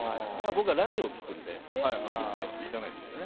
僕はラジオを聞くので一切聞かないですけど。